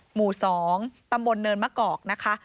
หมู่๒ตำบลเนินมะกอกนะคะ